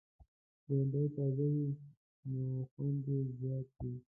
بېنډۍ تازه وي، نو خوند یې زیات وي